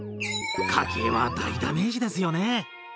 家計は大ダメージですよね。